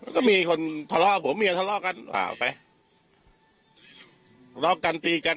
ก็มีคนทะเลาะผัวเมียทะเลาะกันอ่าไปทะเลาะกันตีกัน